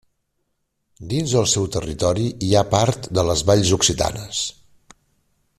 Dins del seu territori hi ha part de les Valls Occitanes.